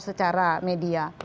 ya itu juga